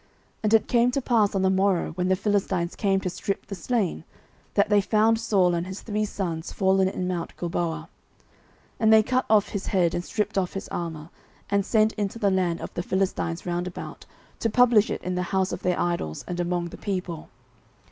09:031:008 And it came to pass on the morrow, when the Philistines came to strip the slain, that they found Saul and his three sons fallen in mount Gilboa. 09:031:009 And they cut off his head, and stripped off his armour, and sent into the land of the Philistines round about, to publish it in the house of their idols, and among the people.